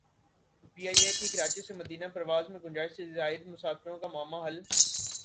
P I A کی کراچی سے Medina پرواز میں گنجائش سے زائد مسافروں کا معمہ حل